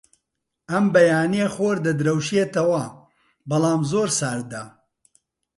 ئەم بەیانییە خۆر دەدرەوشێتەوە، بەڵام زۆر ساردە.